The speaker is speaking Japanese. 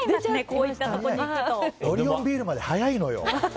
オリオンビールまで早いのよ。